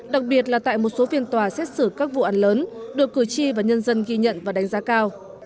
đặc biệt là tại một số phiên tòa xét xử các vụ án lớn được cử tri và nhân dân ghi nhận và đánh giá cao